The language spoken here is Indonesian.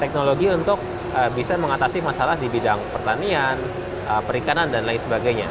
teknologi untuk bisa mengatasi masalah di bidang pertanian perikanan dan lain sebagainya